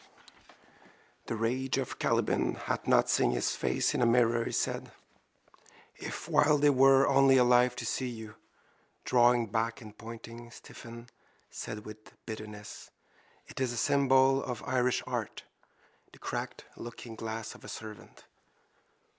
—The rage of Caliban at not seeing his face in a mirror, he said. If Wilde were only alive to see you! Drawing back and pointing, Stephen said with bitterness: —It is a symbol of Irish art. The cracked lookingglass of a servant.